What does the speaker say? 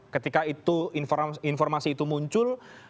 ketika itu informasi itu muncul